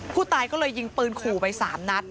ผู้ตายก็เลยยิงปืนขู่ไป๓นัด